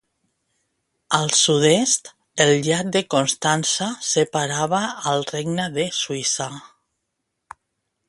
Al sud-est, el llac de Constança separava al regne de Suïssa.